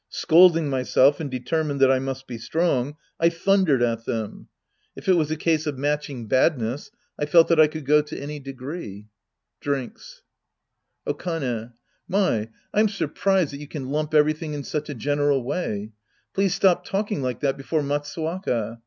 Scolding myself and determined that I must be strong, I thundered at them. If it was a case of matching Sc. I The Priest and His Disciples 21 badness, I felt that I could go to any degree. {Drinks.) Okane. My, I'm surprised that you can lump everything in such a general way. Please stop talk ing like that before Matsuwaka.